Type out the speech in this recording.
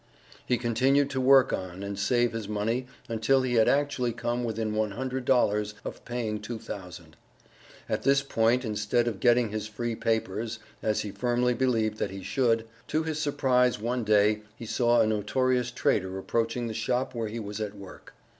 He continued to work on and save his money until he had actually come within one hundred dollars of paying two thousand. At this point instead of getting his free papers, as he firmly believed that he should, to his surprise one day he saw a notorious trader approaching the shop where he was at work.